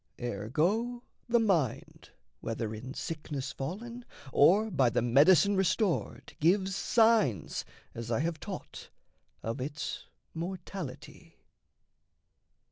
Ergo, the mind, whether in sickness fallen, Or by the medicine restored, gives signs, As I have taught, of its mortality.